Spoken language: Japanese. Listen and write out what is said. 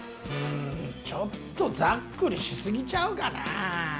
ちょっとざっくりしすぎちゃうかな？